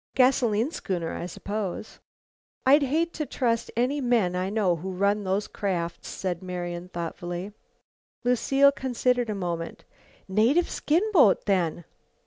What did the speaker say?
"Gasoline schooner, I suppose." "I'd hate to trust any men I know who run those crafts," said Marian thoughtfully. Lucile considered a moment. "Native skin boat, then."